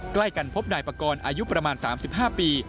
ใกล้กันพบนายปากรอายุประมาณ๓๕ปี